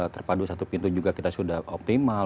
terpadu satu pintu juga kita sudah optimal